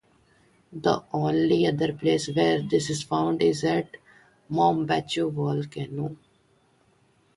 The only other place where this is found is at the Mombacho volcano.